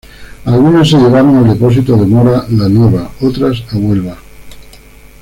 Algunas se llevaron al depósito de Mora la Nueva, otras a Huelva.